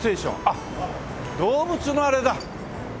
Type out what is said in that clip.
あっ動物のあれだ。